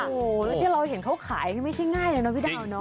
โอ้โหแล้วที่เราเห็นเขาขายไม่ใช่ง่ายเลยนะพี่ดาวเนอ